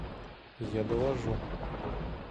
Я доложу.